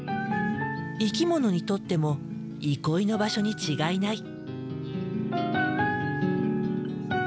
生き物にとっても憩いの場所に違いない。